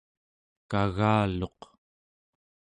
kagaluq